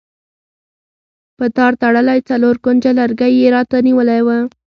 په تار تړلی څلور کونجه لرګی یې راته نیولی و.